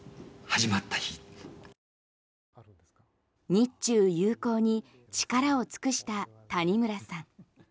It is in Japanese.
日中友好に力を尽くした谷村さん。